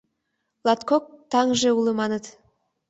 Латкок таҥже уло, маныт.